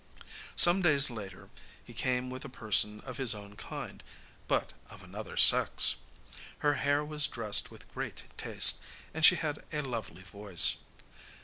Some days later he came with a person of his own kind, but of another sex. Her hair was dressed with great taste, and she had a lovely voice.